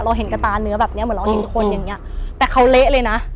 เห็นกระตาเนื้อแบบเนี้ยเหมือนเราเห็นคนอย่างเงี้ยแต่เขาเละเลยนะ